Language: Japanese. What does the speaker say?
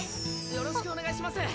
よろしくお願いします！